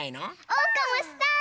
おうかもしたい！